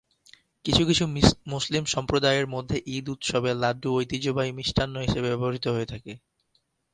কিছু কিছু মুসলিম সম্প্রদায় এর মধ্যে ঈদ উৎসবে লাড্ডু ঐতিহ্যবাহী মিষ্টান্ন হিসাবে ব্যবহৃত হয়ে থাকে।